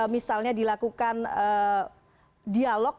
misalnya dilakukan dialog